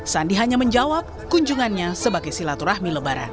sandi hanya menjawab kunjungannya sebagai silaturahmi lebaran